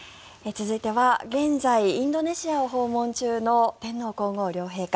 続いては現在、インドネシアを訪問中の天皇・皇后両陛下。